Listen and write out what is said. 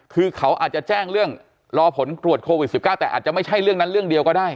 คือเขาอาจจะแจ้งเรื่องรอผลตรวจโควิด๑๙แต่อาจจะไม่ใช่เรื่องนั้นเรื่องเดียวก็ได้